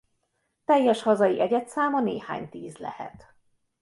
Teljes hazai egyedszáma néhány tíz lehet.